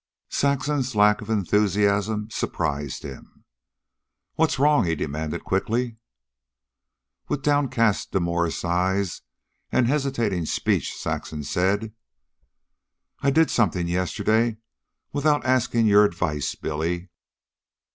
Saxon's lack of enthusiasm surprised him. "What's wrong?" he demanded quickly. With downcast demurest eyes and hesitating speech, Saxon said: "I did something yesterday without asking your advice, Billy."